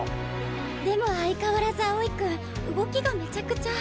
でも相変わらず青井君動きがめちゃくちゃ。